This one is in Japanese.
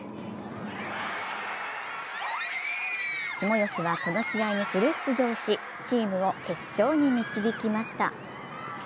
下吉はこの試合にフル出場し、チームを決勝に導きました。